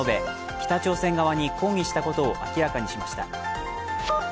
北朝鮮側に抗議したことを明らかにしました。